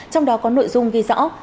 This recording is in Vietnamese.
trong đó có nội dung ghi rõ